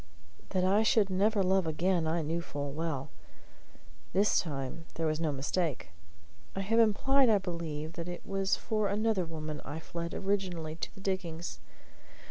That I should never love again I knew full well. This time there was no mistake. I have implied, I believe, that it was for another woman I fled originally to the diggings.